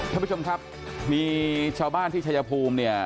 จะมีชมครับมีชาวบ้านที่ชายภูมิเนี่ย